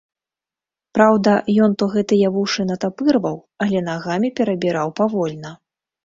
Праўда, ён то гэтыя вушы натапырваў, але нагамі перабіраў павольна.